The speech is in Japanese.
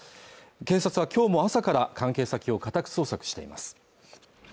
警察は今日も朝から関係先を家宅捜索しています